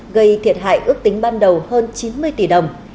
gây thiệt hại ước tính ban đầu hơn chín mươi tỷ đồng